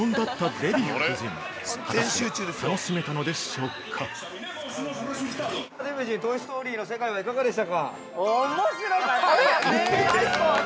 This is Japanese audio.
◆デヴィ夫人、トイ・ストーリーの世界はいかがでしたか。